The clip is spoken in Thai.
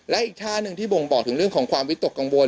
และอีกท่าหนึ่งที่บ่งบอกถึงเรื่องของความวิตกกังวล